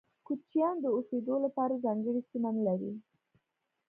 کوچيان د اوسيدو لپاره ځانګړي سیمه نلري.